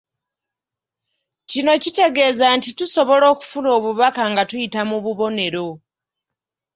Kino kitegeeza nti tusobola okufuna obubaka nga tuyita mu bubonero.